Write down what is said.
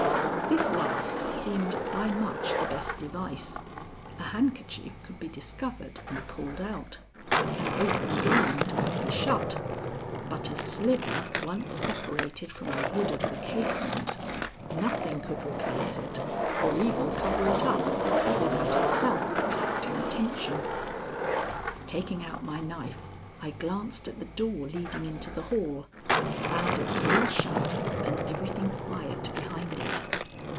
This last seemed by much the best device. A handkerchief could be discovered and pulled out, an open blind could be shut, but a sliver once separated from the wood of the casement, nothing could replace it or even cover it up without itself attracting attention. Taking out my knife, I glanced at the door leading into the hall, found it still shut and everything quiet behind it.